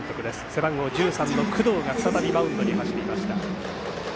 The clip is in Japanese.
背番号１３の工藤が再びマウンドに走りました。